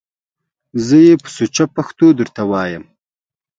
زه یې په سوچه پښتو درته وایم!